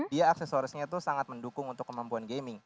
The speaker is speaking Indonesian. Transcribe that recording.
dia aksesorisnya itu sangat mendukung untuk kemampuan gaming